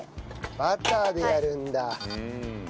バターでやるんだ。